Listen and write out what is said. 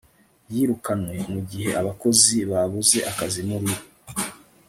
yirukanwe mu gihe abakozi babuze akazi muri